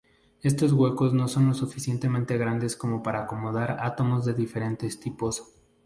Estos huecos son lo suficientemente grandes como para acomodar átomos de diferentes tipos.